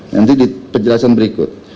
nanti di penjelasan berikut